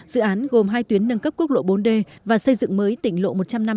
dự án gồm hai tuyến nâng cấp quốc lộ bốn d và xây dựng mới tỉnh lộ một trăm năm mươi